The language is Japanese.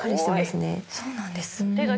そうなんです。